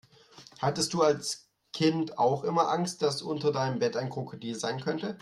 Hattest du als Kind auch immer Angst, dass unter deinem Bett ein Krokodil sein könnte?